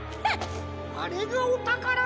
あれがおたからか。